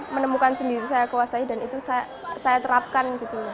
menemukan sendiri saya kuasai dan itu saya terapkan gitu